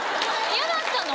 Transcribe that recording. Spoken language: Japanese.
嫌だったの？